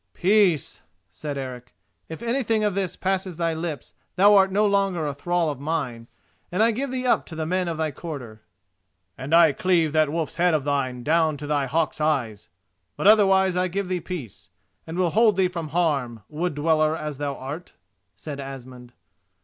"Peace!" said Eric; "if anything of this passes thy lips thou art no longer a thrall of mine, and I give thee up to the men of thy quarter." "And I cleave that wolf's head of thine down to thy hawk's eyes; but, otherwise, I give thee peace, and will hold thee from harm, wood dweller as thou art," said Asmund.